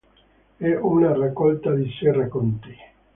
È una raccolta di sei racconti.